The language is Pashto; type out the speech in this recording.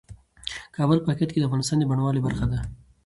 کابل په حقیقت کې د افغانستان د بڼوالۍ برخه ده.